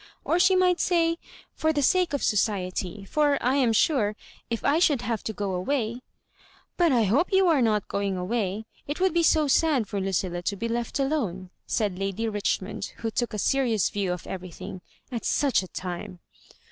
Or she might say, *Fop the sake of society;' for, I am sure, if I should have to go away ^" But I hope you are not going away. It would be so sad for Lucilla to be leftalene," said Lady Richmond, who took a serious view of eve rything, " at such a tune."